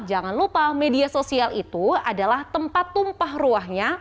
jangan lupa media sosial itu adalah tempat tumpah ruahnya